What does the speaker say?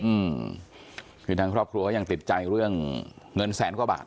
อืมคือทางครอบครัวก็ยังติดใจเรื่องเงินแสนกว่าบาท